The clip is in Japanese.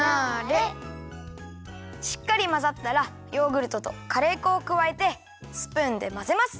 しっかりまざったらヨーグルトとカレー粉をくわえてスプーンでまぜます。